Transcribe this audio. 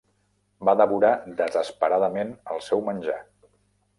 Va devorar desesperadament el seu menjar.